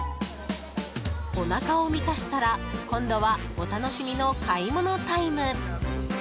おなかを満たしたら今度はお楽しみの買い物タイム。